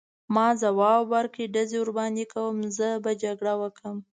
ما ځواب ورکړ: ډزې ورباندې کوم، زه به جګړه وکړم.